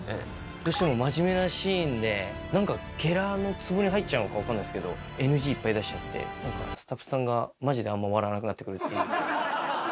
どうしても真面目なシーンで、なんか、ゲラのツボに入っちゃうのか分かんないっすけど、ＮＧいっぱい出しちゃって、なんかスタッフさんが、まじであんま笑わなくなってくるっていう。